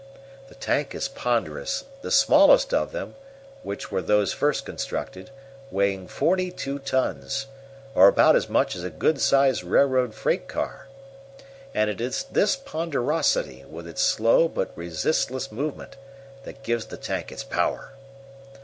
The tank is ponderous, the smallest of them, which were those first constructed, weighing forty two tons, or about as much as a good sized railroad freight car. And it is this ponderosity, with its slow but resistless movement, that gives the tank its power.